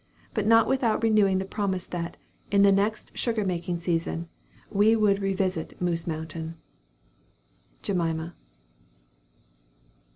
but not without renewing the promise, that, in the next sugar making season, we would revisit Moose Mountain. JEMIMA.